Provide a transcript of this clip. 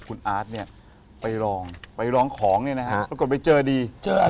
คุณอาร์ทเนี่ยไปรองของเนี่ยนะครับแล้วก็ไปเจอดี